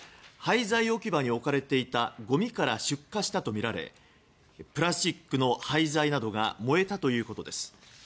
廃材置き場に置かれていたごみから出火したとみられプラスチックの廃材などが燃えたということです。